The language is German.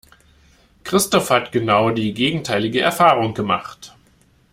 Christoph hat genau die gegenteilige Erfahrung gemacht.